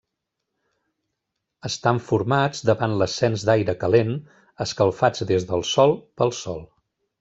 Estan formats davant l'ascens d'aire calent, escalfat des del sòl, pel sol.